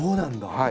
はい。